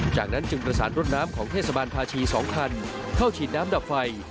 จากนั้นจึงประสานรถน้ำของเทศบาลภาชี๒คันเข้าฉีดน้ำดับไฟ